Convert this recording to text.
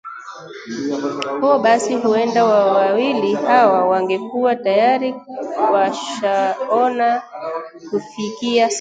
huo basi huenda wawili hawa wangekuwa tayari washaoana kufikia sasa